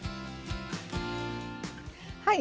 はい。